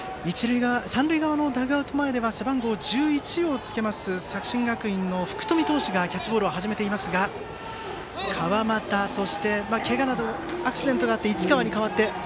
三塁側のダグアウト前では背番号１１をつけます作新学院の福冨投手がキャッチボールを始めていますが川又、そしてけがなどのアクシデントがあって市川に代わって。